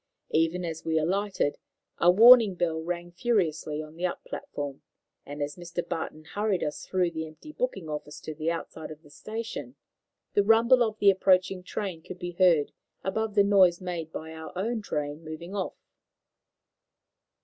Even as we alighted a warning bell rang furiously on the up platform, and as Mr. Barton hurried us through the empty booking office to the outside of the station, the rumble of the approaching train could be heard above the noise made by our own train moving off.